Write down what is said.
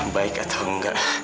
baik atau enggak